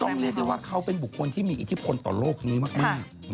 เรียกได้ว่าเขาเป็นบุคคลที่มีอิทธิพลต่อโลกนี้มาก